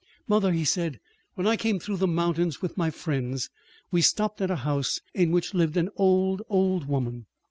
"Mother," he said, "when I came through the mountains with my friends we stopped at a house in which lived an old, old woman.